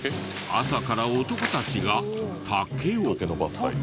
朝から男たちが竹を。